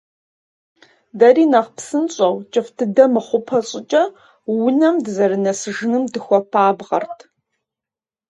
Дэри нэхъ псынщӀэу, кӀыфӀ дыдэ мыхъупэ щӀыкӀэ, унэм дызэрынэсыжыным дыхуэпабгъэрт.